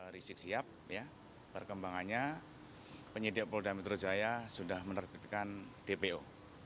rizik sihab perkembangannya penyidik polda metro jaya sudah menerbitkan dpo